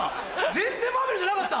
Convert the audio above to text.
全然マーベルじゃなかった！